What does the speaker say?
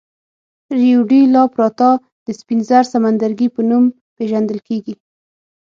ریو ډي لا پلاتا د سپین زر سمندرګي په نوم پېژندل کېږي.